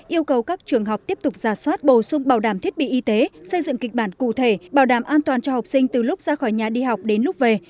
yêu cầu các trường học tiếp tục giả soát bổ sung bảo đảm thiết bị y tế xây dựng kịch bản cụ thể bảo đảm an toàn cho học sinh từ lúc ra khỏi nhà đi học đến lúc về